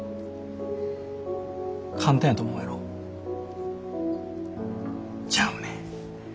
簡単やと思うやろ？ちゃうねん。